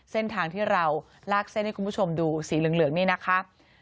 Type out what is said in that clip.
เส้นทางที่เราลากเส้นให้คุณผู้ชมดูสีเหลืองนี่นะคะ